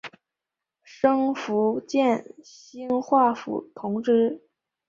升福建兴化府同知。